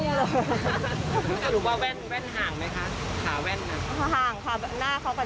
คุณเขารู้ว่าแว่นห่างไหมคะขาแว่น